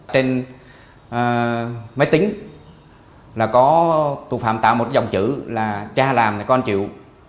trên máy tính là có tù phạm tạo một dòng chữ là cha làm là con chịu